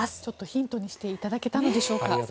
ちょっとヒントにしていただけたんでしょうか。